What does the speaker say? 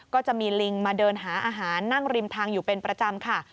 ก็จะมีลิงมาเดินหาอาหารนั่งริมทางอยู่เป็นประจำค่ะ